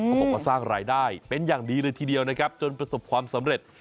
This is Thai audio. บอกว่าสร้างรายได้เป็นอย่างดีเลยทีเดียวนะครับจนประสบความสำเร็จ